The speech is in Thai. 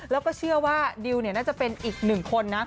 แล้วก็เชื่อว่าดิวน่าจะเป็นอีกหนึ่งคนนะ